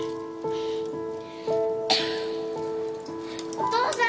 お父さん！